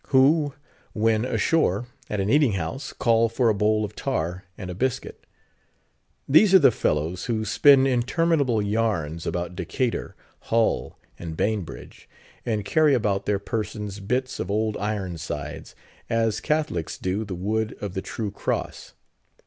_" who, when ashore, at an eating house, call for a bowl of tar and a biscuit. These are the fellows who spin interminable yarns about Decatur, Hull, and Bainbridge; and carry about their persons bits of "Old Ironsides," as Catholics do the wood of the true cross.